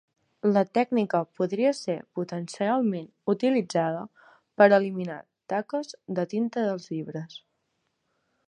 La tècnica podria ser potencialment utilitzada per a eliminar taques de tinta dels llibres.